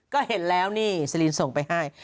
ก็เห็นแล้วนี่สลินส่งไปให้